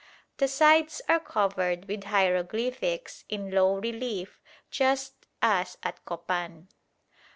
The sides are covered with hieroglyphics in low relief just as at Copan.